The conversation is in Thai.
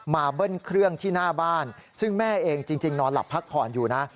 เบิ้ลเครื่องที่หน้าบ้านซึ่งแม่เองจริงนอนหลับพักผ่อนอยู่นะ